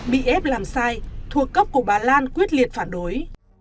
bị ép làm sai thua cốc của bà lan quyết liệt phản đối